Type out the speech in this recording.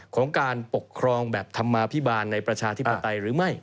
ของการปกครองแบบธรรมาภิบาลในประชาธิปไตยหรือไม่